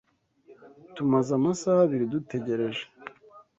Tumaze amasa abiri dutegereje.